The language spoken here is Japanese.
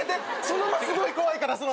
その間すごい怖いから！